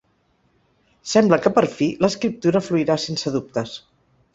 Sembla que, per fi, l'escriptura fluirà sense dubtes.